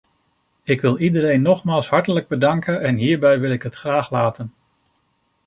Ik wil iedereen nogmaals hartelijk bedanken en hierbij wil ik het graag laten.